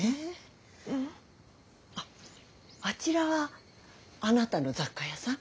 あっあちらはあなたの雑貨屋さん？